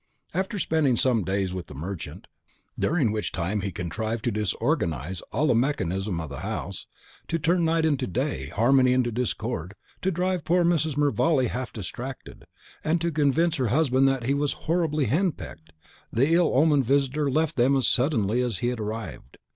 After spending some days with the merchant, during which time he contrived to disorganise all the mechanism of the house, to turn night into day, harmony into discord, to drive poor Mrs. Mervale half distracted, and to convince her husband that he was horribly hen pecked, the ill omened visitor left them as suddenly as he had arrived.